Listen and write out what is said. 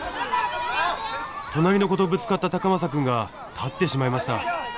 隣の子とぶつかった崇真くんが立ってしまいました。